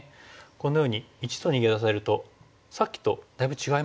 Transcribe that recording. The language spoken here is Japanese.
このように①と逃げ出されるとさっきとだいぶ違いますよね。